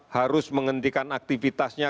harus menghentikan aktivitasnya